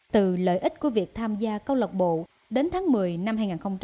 từ lợi ích của việc tham gia câu lọc bộ đến tháng một mươi năm hai nghìn một mươi bốn